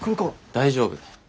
大丈夫。